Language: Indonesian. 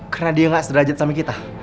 karena dia gak sederhajat sama kita